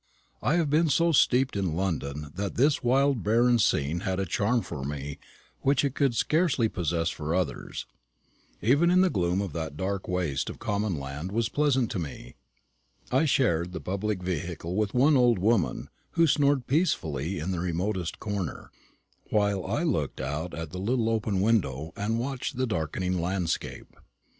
I have been so steeped in London that this wild barren scene had a charm for me which it could scarcely possess for others. Even the gloom of that dark waste of common land was pleasant to me. I shared the public vehicle with one old woman, who snored peacefully in the remotest corner, while I looked out at the little open window and watched the darkening landscape.